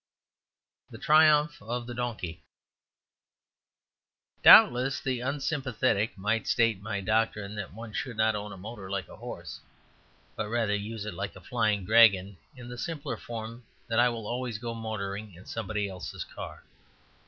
The Triumph of the Donkey Doubtless the unsympathetic might state my doctrine that one should not own a motor like a horse, but rather use it like a flying dragon in the simpler form that I will always go motoring in somebody else's car.